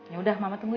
ya udah mama tunggu ya